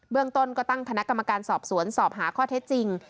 เรื่องต้นก็ตั้งคณะกรรมการสอบสวนสอบหาข้อเท็จจริง